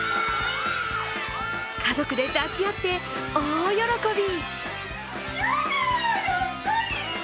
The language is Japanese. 家族で抱き合って大喜び。